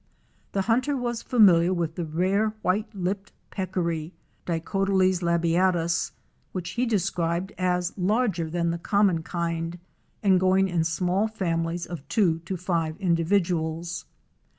The hunter was familiar with the rare White lipped Peccary (Dicotyles labiatus), which he described as larger than the common kind and going in small families of two to five individuals.